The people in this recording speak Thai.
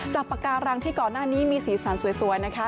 ปากการังที่ก่อนหน้านี้มีสีสันสวยนะคะ